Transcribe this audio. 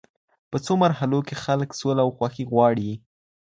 په څلورمه مرحله کي خلګ سوله او خوښي غواړي.